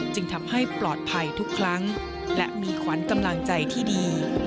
จึงทำให้ปลอดภัยทุกครั้งและมีขวัญกำลังใจที่ดี